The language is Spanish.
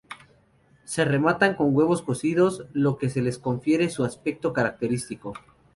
Se rematan con huevos cocidos, lo que les confiere su aspecto característico.